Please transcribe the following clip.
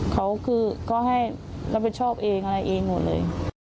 เขาคือเขาให้รับผิดชอบเองอะไรเองหมดเลย